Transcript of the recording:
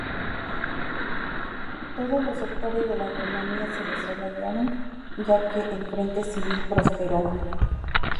Todos los sectores de la economía se desarrollaron ya que el frente civil prosperó.